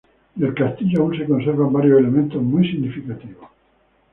Del castillo aún se conservan varios elementos muy significativos.